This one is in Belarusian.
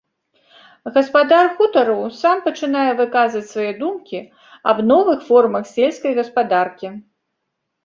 Гаспадар хутару сам пачынае выказваць свае думкі аб новых формах сельскай гаспадаркі.